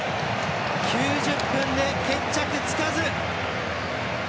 ９０分で決着つかず。